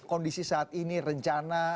kondisi saat ini rencana